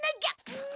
うん。